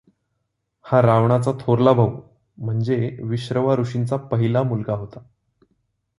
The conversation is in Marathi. हा रावणाचा थोरला भाऊ म्हणजे विश्रवा ऋषींचा पहीला मुलगा होता.